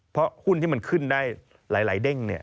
เพราะหุ้นที่มันขึ้นได้หลายเด้งเนี่ย